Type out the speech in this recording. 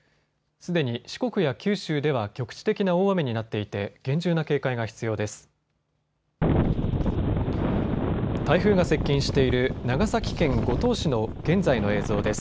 すでに四国や九州では局地的な大雨になっていて厳重な警戒が必要です。